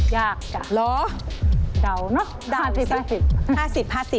ยากค่ะดาวเนอะภาษิปถาม